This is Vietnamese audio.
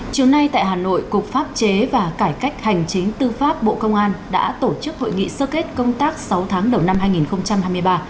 chiều nay tại hà nội cục pháp chế và cải cách hành chính tư pháp bộ công an đã tổ chức hội nghị sơ kết công tác sáu tháng đầu năm hai nghìn hai mươi ba